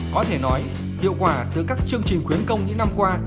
có thể nói hiệu quả từ các chương trình khuyến công những năm qua